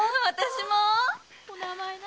私も！